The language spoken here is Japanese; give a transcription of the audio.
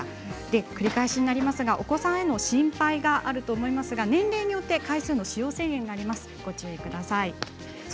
繰り返しなりますがお子さんへの心配があると思いますが年齢によって使用回数に制限があります、ご注意ください。